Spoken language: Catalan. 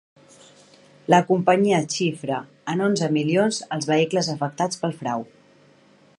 La companyia xifra en onze milions els vehicles afectats pel frau.